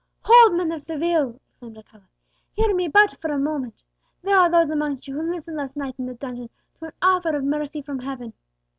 "Hold, men of Seville!" exclaimed Alcala; "hear me but for a moment. There are those amongst you who listened last night in a dungeon to an offer of mercy from Heaven.